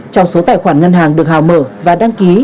trong số tài khoản ngân hàng được hào mở và đăng ký